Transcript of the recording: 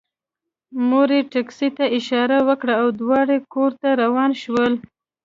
مور یې ټکسي ته اشاره وکړه او دواړه کور ته روان شول